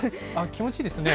気持ちいいですね。